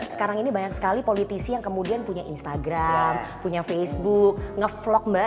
sekarang ini banyak sekali politisi yang kemudian punya instagram punya facebook ngevlog mbak